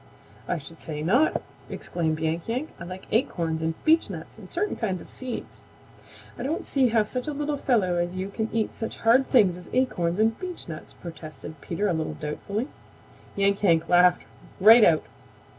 "I should say not!" exclaimed Yank Yank. "I like acorns and beechnuts and certain kinds of seeds." "I don't see how such a little fellow as you can eat such hard things as acorns and beechnuts," protested Peter a little doubtfully. Yank Yank laughed right out.